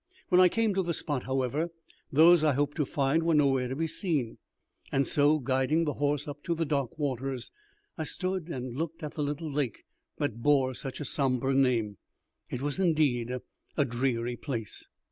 When I came to the spot, however, those I hoped to find were nowhere to be seen, and so, guiding the horse up to the dark waters, I stood and looked at the little lake that bore such a sombre name. It was indeed a dreary place.